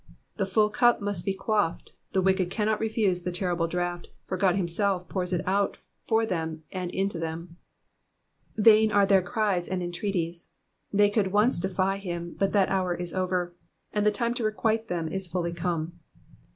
'''' The full cup must be quaffed, the wicked cannot refuse the terrible draught, for €k>d himself pours it out for them and into them. Vain are their cries and en treaties. They could once defy him, but that hour is over, and the time to requite them is fully come.